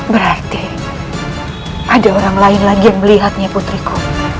berarti ada orang lain lagi yang melihatnya putriku